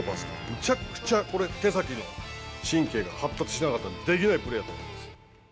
むちゃくちゃ、これって手先の神経が発達してなかったらできないプレーやと思います。